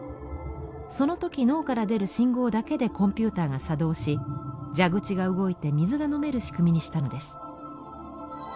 その時脳から出る信号だけでコンピューターが作動し蛇口が動いて水が飲める仕組みにしたのです。